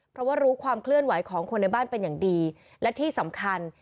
เพราะว่ารู้ความเคลื่อนไหวของคนในบ้านเป็นอย่างดีและที่สำคัญ